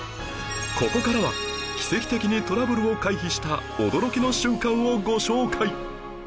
ここからは奇跡的にトラブルを回避した驚きの瞬間をご紹介